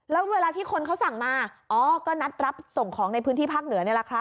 แล้วเวลาที่คนเขาสั่งมาอ๋อก็นัดรับส่งของในพื้นที่ภาคเหนือนี่แหละครับ